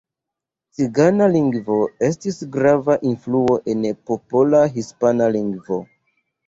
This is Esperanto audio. Cigana lingvo estis grava influo en popola hispana lingvo.